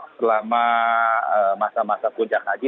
selama masa masa puncak haji